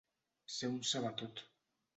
Ser un sabatot.